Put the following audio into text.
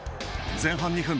前半２分。